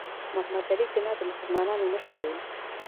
محمد علي جناح د مسلمانانو مشر و.